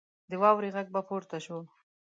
د واورې غږ به پورته شو.